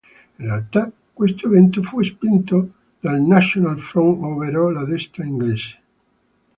In realtà questo evento fu spinto dal National Front ovvero la destra inglese.